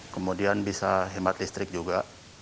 kemudian bisa hemat listrik juga